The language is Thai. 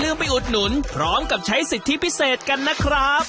ไปอุดหนุนพร้อมกับใช้สิทธิพิเศษกันนะครับ